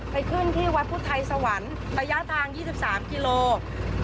ขึ้นที่วัดพุทธไทยสวรรค์ระยะทาง๒๓กิโลกรัม